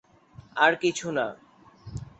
আর কিছু না।